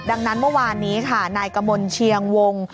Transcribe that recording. ดังนั้นเมื่อวานนี้ค่ะนายกมลเชียงวง